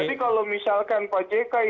jadi kalau misalkan pak jk ini sudah kembali